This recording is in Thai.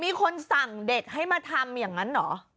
มีคนสั่งเด็กให้มาทำอย่างนั้นเหรอ